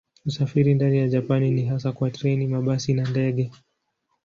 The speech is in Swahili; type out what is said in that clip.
Usafiri ndani ya Japani ni hasa kwa treni, mabasi na ndege.